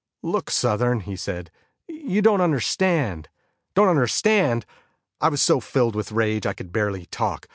"Look, Southern," he said, "you don't understand." "Don't understand!" I was so filled with rage I could barely talk.